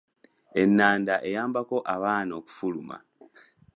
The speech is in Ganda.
Ennanda eyambako abaana okufuluma.